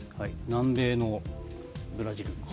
南米のブラジル。